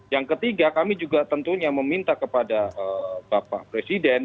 yang ketiga kami juga tentunya meminta kepada bapak presiden